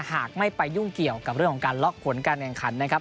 หากไม่ไปยุ่งเกี่ยวกับเรื่องของการล็อกผลการแข่งขันนะครับ